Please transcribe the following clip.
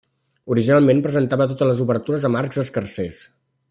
Originalment presentava totes les obertures amb arcs escarsers.